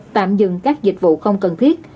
tạm dừng các dịch vụ không cần thiết